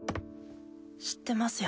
知ってますよ。